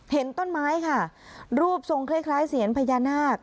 เห็นต้นไม้ค่ะรูปทรงคล้ายเสียนพญานาค